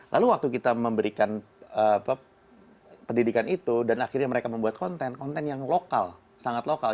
lalu waktu kita memberikan pendidikan itu dan akhirnya mereka membuat konten konten yang lokal sangat lokal